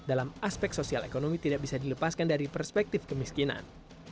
dalam aspek sosial ekonomi tidak bisa dilepaskan dari perspektif kemiskinan